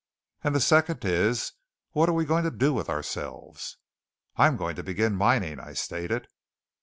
"And the second is, what are we going to do with ourselves?" "I'm going to begin mining," I stated.